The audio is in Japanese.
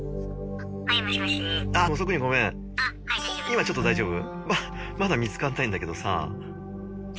今ちょっと大丈夫？